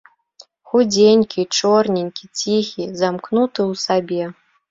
Худзенькі, чорненькі, ціхі, замкнуты ў сабе.